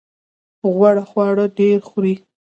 غوړ خواړه ډیر خورئ؟